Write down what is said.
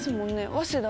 早稲田。